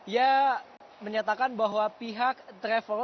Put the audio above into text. ia menyatakan bahwa pihak travel